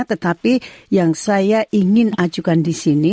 tetapi yang saya ingin ajukan disini